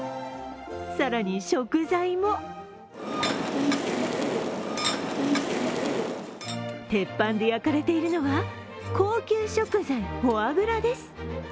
更に食材も鉄板で焼かれているのは高級食材フォアグラです。